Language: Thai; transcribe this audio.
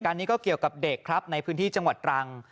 นี้ก็เกี่ยวกับเด็กครับในพื้นที่จังหวัดตรัง